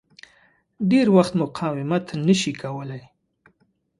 ډېر وخت مقاومت نه شي کولای.